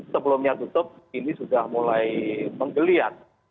sebelumnya tutup ini sudah mulai menggeliat